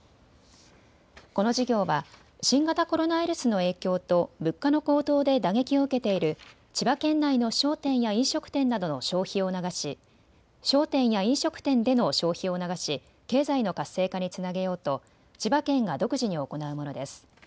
この事業は新型コロナウイルスの影響と物価の高騰で打撃を受けている千葉県内の商店や飲食店などの消費を促し商店や飲食店での消費を促し経済の活性化につなげようと千葉県が独自に行うものです。